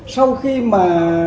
sau khi mà